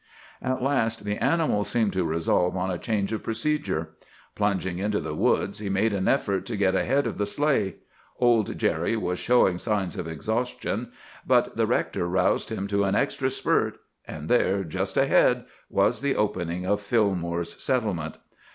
"At last the animal seemed to resolve on a change of procedure. Plunging into the woods, he made an effort to get ahead of the sleigh. Old Jerry was showing signs of exhaustion; but the rector roused him to an extra spurt—and there, just ahead, was the opening of Fillmore's settlement.